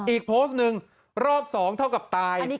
อีกโพสต์หนึ่งรอบ๒เท่ากับตาย